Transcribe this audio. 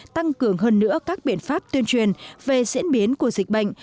tăng cường hơn nữa các biện pháp tuyên truyền về diễn biến của dịch bệnh